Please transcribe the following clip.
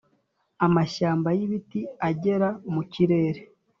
amashyamba y'ibiti agera mu kirere,